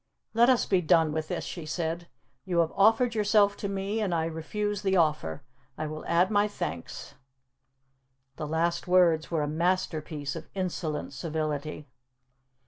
"Let us be done with this," she said. "You have offered yourself to me and I refuse the offer. I will add my thanks." The last words were a masterpiece of insolent civility.